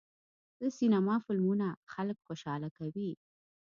د سینما فلمونه خلک خوشحاله کوي.